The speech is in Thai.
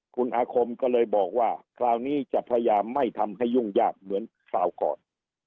คุณอาคมก็เลยบอกว่าคราวนี้จะพยายามไม่ทำให้ยุ่งยากเหมือนคราวก่อน